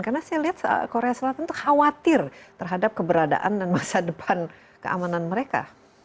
karena saya lihat korea selatan tuh khawatir terhadap keberadaan dan masa depan keamanan mereka